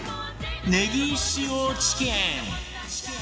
ねぎ塩チキン